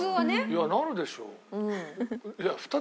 いやなるでしょ。